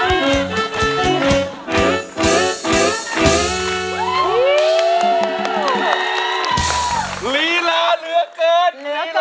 หลีลาเหลือเกินหลีลาเหลือเกิน